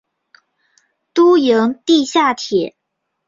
都营地下铁